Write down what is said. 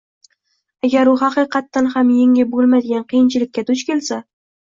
agar u haqiqatdan ham yengib bo‘lmaydigan qiyinchilikka duch kelsa